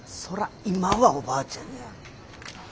そら今はおばあちゃんじゃ。